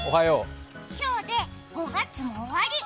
今日で５月も終わり！